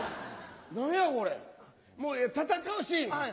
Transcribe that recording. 何やこれもうええ戦うシーン。